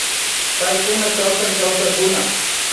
Paykuna kawsan kawsankuna